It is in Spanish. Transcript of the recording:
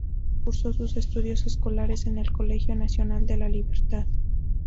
Cursó sus estudios escolares en el Colegio Nacional de La Libertad.